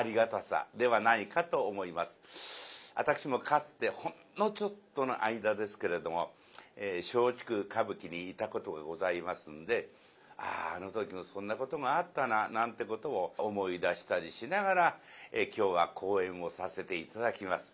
わたくしもかつてほんのちょっとの間ですけれども松竹歌舞伎にいたことがございますんで「ああの時もそんなことがあったな」なんてことを思い出したりしながら今日は口演をさせて頂きます。